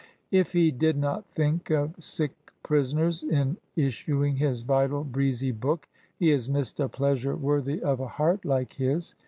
If he did not think of sick prisoners in issuing his vital, breezy book, he has missed a pleasure worthy of a heart like his.